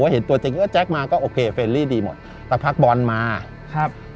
เห็นตัวจริงเออแจ๊คมาก็โอเคเฟรลี่ดีหมดสักพักบอลมาครับ